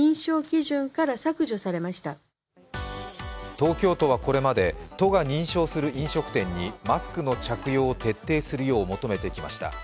東京都はこれまで都が認証する飲食店にマスクの着用を徹底するよう求めてきました。